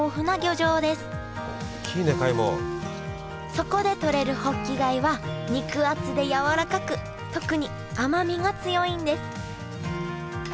そこでとれるホッキ貝は肉厚でやわらかく特に甘みが強いんです